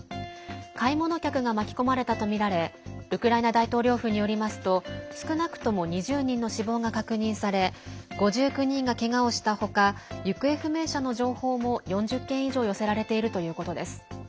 買い物客が巻き込まれたとみられウクライナ大統領府によりますと少なくとも２０人の死亡が確認され５９人がけがをしたほか行方不明者の情報も４０件以上寄せられているということです。